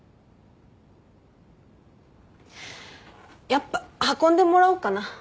やっぱ運んでもらおうかな。